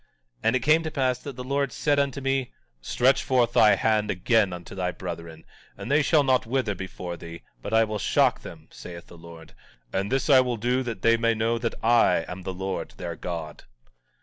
17:53 And it came to pass that the Lord said unto me: Stretch forth thine hand again unto thy brethren, and they shall not wither before thee, but I will shock them, saith the Lord, and this will I do, that they may know that I am the Lord their God.